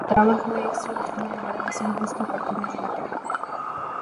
Como trabajo extra, buscó la manera de hacer whisky a partir de plátanos.